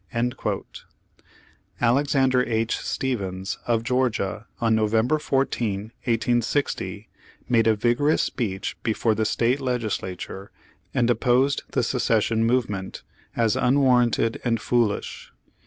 ^ Alexander H. Stephens, of Georgia, on Novem ber 14, 1860, made a vigorous speech before the State legislature, and opposed the secession move ment, as unwarranted and foolish.